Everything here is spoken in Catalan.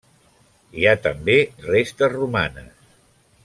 Hi ha també restes romanes.